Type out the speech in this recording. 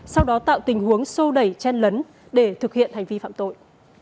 sau đó tạo tình huống sô đẩy chen lấn để thực hiện hành vi phạm tội